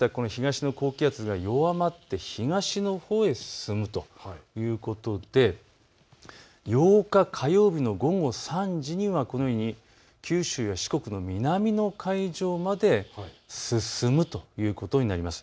きのうお伝えした東の高気圧が弱まって東のほうへ進むということで８日火曜日の午後３時にはこのように九州や四国の南の海上まで進むということになります。